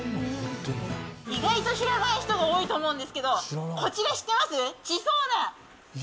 意外と知らない人が多いと思うんですけど、こちら知ってます？